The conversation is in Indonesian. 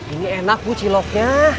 ini enak bu ciloknya